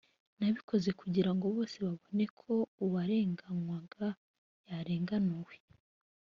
nabikoze kugira ngo bose babone ko uwarenganywaga yarenganuwe